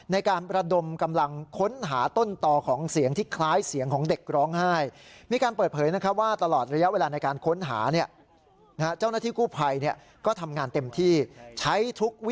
ในการประดมกำลังค้นหาต้นต่อของเสียงที่คล้ายเสียงของเด็กร้องไห้